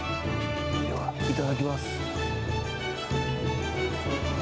では、いただきます。